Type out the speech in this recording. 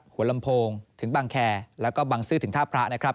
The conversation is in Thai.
หัวลำโพงถึงบังแคร์แล้วก็บังซื้อถึงท่าพระนะครับ